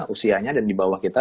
usianya dan dibawah kita